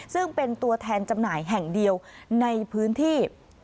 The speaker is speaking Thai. ซึ่งเป็นตัวแทนจำหน่ายแห่งเดียวในพื้นที่